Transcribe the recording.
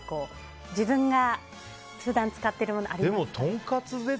自分が普段使ってるものありますかって。